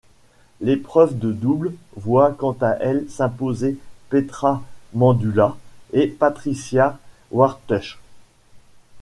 L'épreuve de double voit quant à elle s'imposer Petra Mandula et Patricia Wartusch.